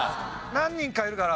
何人かいるから。